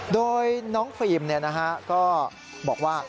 โดยน้องฟิล์มก็บอกว่า